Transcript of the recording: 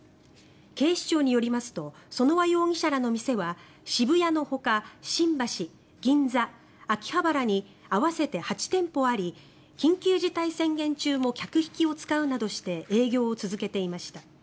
警視庁によりますと園和容疑者らの店は渋谷のほか新橋、銀座、秋葉原に合わせて８店舗あり緊急事態宣言中も客引きを使うなどして営業を続けていました。